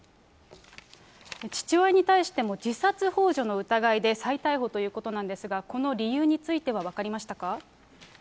父親に対しても自殺ほう助の疑いで再逮捕ということなんですが、この理由については分かりましたか。